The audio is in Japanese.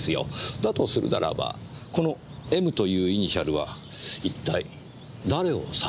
だとするならばこの「Ｍ」というイニシャルは一体誰を指すのでしょう？